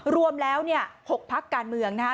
รวมแล้ว๖ภักดิ์การเมืองนะ